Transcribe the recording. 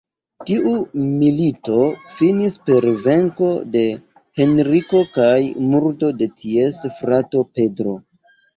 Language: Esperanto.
Tiu milito finis per venko de Henriko kaj murdo de ties frato Pedro.